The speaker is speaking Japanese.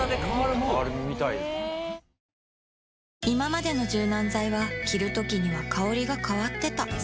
いままでの柔軟剤は着るときには香りが変わってた